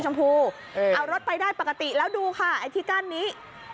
เอารถไปได้ปกติแล้วดูค่ะไอ้ที่กั้นนี้